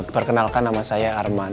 berkenalkan nama saya arman